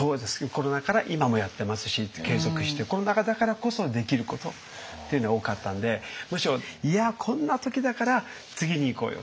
コロナ禍から今もやってますし継続してコロナ禍だからこそできることっていうのが多かったんでむしろ「いやこんな時だから次にいこうよ」とか。